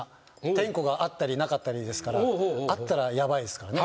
点呼があったりなかったりですからあったらヤバいですからね。